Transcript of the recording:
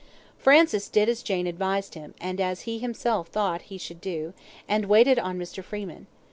Francis did as Jane advised him, and as he himself thought he should do, and waited on Mr. Freeman.